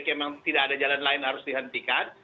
karena memang tidak ada jalan lain yang harus dihentikan